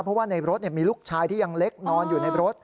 เพราะว่าในรถมีลูกชายที่ยังเล็กนอนอยู่ในรถ